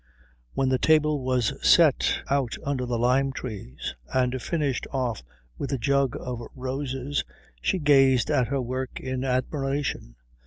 When the table was set out under the lime trees and finished off with a jug of roses she gazed at her work in admiration.